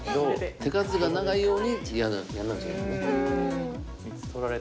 手数が長いようにやらなくちゃいけない。